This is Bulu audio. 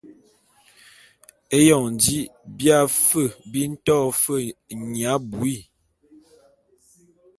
Eyon ji bia fe bi nto fe nya abuii.